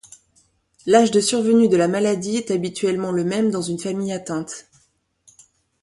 L'âge de survenue de la maladie est habituellement le même dans une famille atteinte.